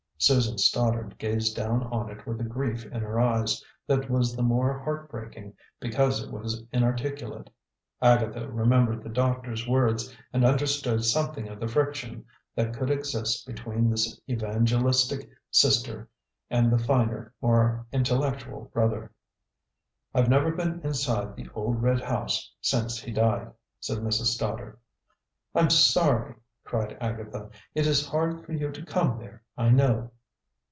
Susan Stoddard gazed down on it with a grief in her eyes that was the more heartbreaking because it was inarticulate. Agatha remembered the doctor's words, and understood something of the friction that could exist between this evangelistic sister and the finer, more intellectual brother. "I've never been inside the old red house since he died," said Mrs. Stoddard. "I'm sorry!" cried Agatha. "It is hard for you to come there, I know."